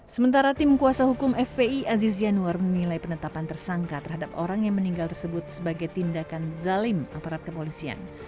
sementara tim kuasa hukum fpi aziz yanuar menilai penetapan tersangka terhadap orang yang meninggal tersebut sebagai tindakan zalim aparat kepolisian